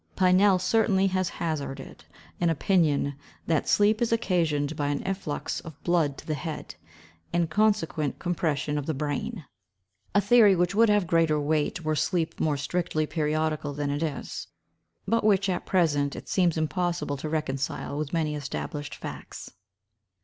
Pinel certainly has hazarded an opinion that sleep is occasioned by an efflux of blood to the head, and consequent compression of the brain—a theory which would have greater weight were sleep more strictly periodical than it is; but which, at present, it seems impossible to reconcile with many established facts.